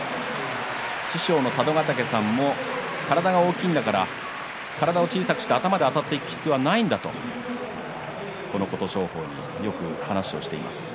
師匠の佐渡ヶ嶽さんは体が大きいんだから体を小さくして頭であたっていく必要はないんだと琴勝峰によく話をしています。